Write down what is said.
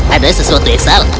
ada sesuatu yang salah